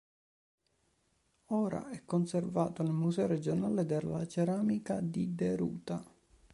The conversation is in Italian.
Ora è conservato nel Museo regionale della Ceramica di Deruta.